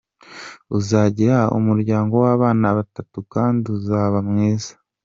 Uzagira umuryango w’abana batatu kandi uzaba mwiza.